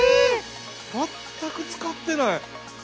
全く使ってない。